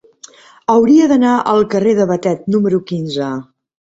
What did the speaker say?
Hauria d'anar al carrer de Batet número quinze.